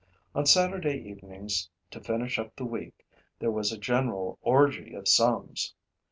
On Saturday evenings, to finish up the week, there was a general orgy of sums.